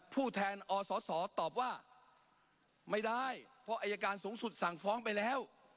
ผู้แทนอศตอบว่าไม่ได้เพราะอายการสูงสุดสั่งฟ้องไปแล้ว